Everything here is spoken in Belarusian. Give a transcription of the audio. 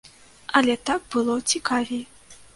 Але так было цікавей.